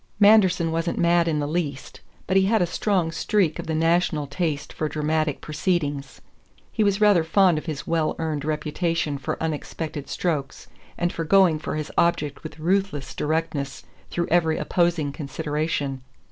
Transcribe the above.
Manderson wasn't mad in the least, but he had a strong streak of the national taste for dramatic proceedings; he was rather fond of his well earned reputation for unexpected strokes and for going for his object with ruthless directness through every opposing consideration.